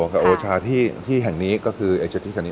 กับโอชาที่แห่งนี้ก็คือเอเชที่สถานี